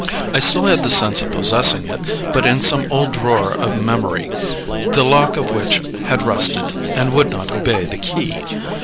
I still had the sense of possessing it, but in some old drawer of memory, the lock of which had rusted and would not obey the key.